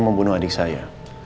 membunuh adik saya